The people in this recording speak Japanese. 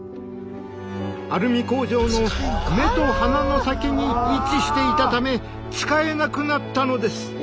アルミ工場の目と鼻の先に位置していたため使えなくなったのです。